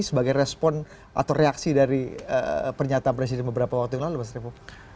sebagai respon atau reaksi dari pernyataan presiden beberapa waktu yang lalu mas revo